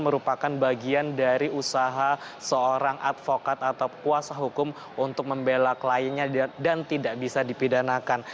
merupakan bagian dari usaha seorang advokat atau kuasa hukum untuk membela kliennya dan tidak bisa dipidanakan